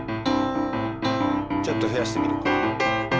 ちょっと増やしてみるか。